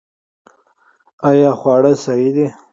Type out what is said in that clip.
آیا خواړه صحي دي؟